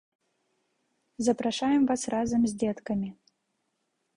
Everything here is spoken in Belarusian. Запрашаем вас разам з дзеткамі!